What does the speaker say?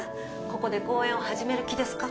ここで講演を始める気ですか？